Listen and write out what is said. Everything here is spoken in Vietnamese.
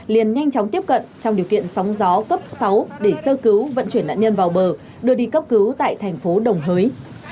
liền nhanh chóng tiếp cận trong điều kiện sóng gió cấp sáu để sơ cứu vận chuyển nạn nhân vào bờ đưa đi cấp cứu tại thành phố đồng hới